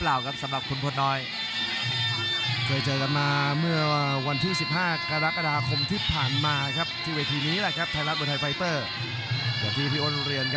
โลกของหน้าตามแห่งกันน้ำใจแพลน